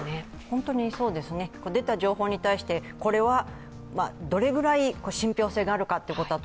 本当にそうですね、出た情報に対して、これはどれぐらい信ぴょう性があるかというのは